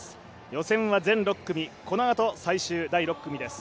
予選は全６組このあと最終第６組です。